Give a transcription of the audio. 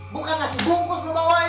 bukan kasih bungkus lu bawain